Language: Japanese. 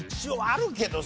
あるけど。